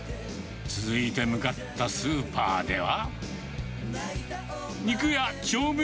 続いて向かったスーパーでは。